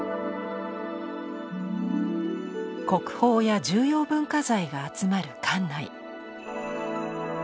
国宝や重要文化財が集まる館内。